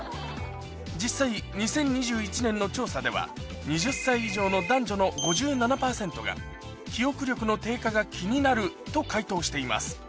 実際２０２１年の調査では２０歳以上の男女の５７％が記憶力の低下が気になると回答しています